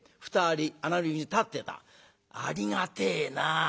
「ありがてえな。